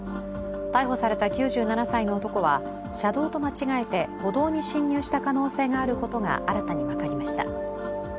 逮捕された９７歳の男は車道と間違えて歩道に進入した可能性があることが新たに分かりました。